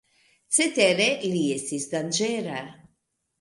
Certe, li estis danĝera.